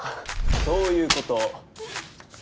そういうことえっ？